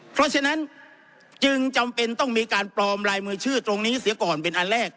เพราะฉะนั้นจึงจำเป็นต้องมีการปลอมลายมือชื่อตรงนี้เสียก่อนเป็นอันแรก